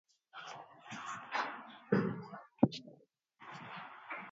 Ugonjwa huu hujitokeza wakati wa misimu ya mvua